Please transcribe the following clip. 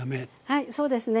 はいそうですね。